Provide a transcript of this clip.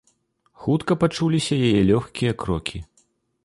Хутка пачуліся яе лёгкія крокі.